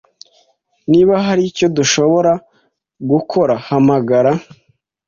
Niba hari icyo dushobora gukora, hamagara.